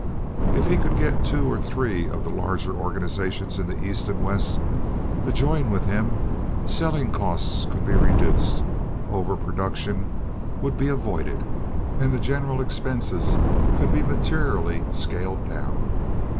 If he could get two or three of the larger organizations in the East and West to join with him, selling costs could be reduced, over production would be avoided, and the general expenses could be materially scaled down.